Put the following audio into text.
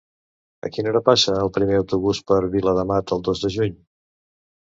A quina hora passa el primer autobús per Viladamat el dos de juny?